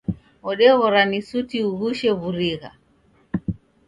Odeghora ni suti ughushe wurigha.